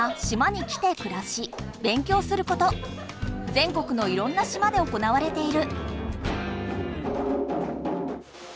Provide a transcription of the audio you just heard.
ぜん国のいろんな島で行われている。